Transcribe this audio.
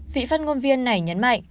vị phát ngôn viên này nhấn mạnh